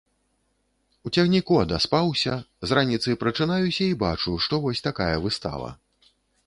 У цягніку адаспаўся, з раніцы прачынаюся і бачу, што вось такая выстава.